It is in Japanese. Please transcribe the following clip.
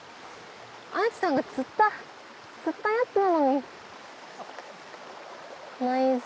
アイクさんが釣った釣ったやつなのに。